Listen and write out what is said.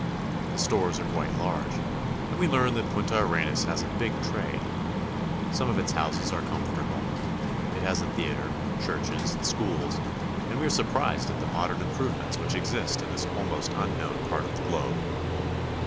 The stores are quite large, and we learn that Punta Arenas has a big trade. Some of its houses are comfortable. It has a theater, churches, and schools, and we are surprised at the modern improvements which exist in this almost un known part of the globe.